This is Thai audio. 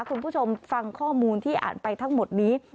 คุณผู้ชมฟังข้อมูลที่อ่านไปทั้งหมดนี้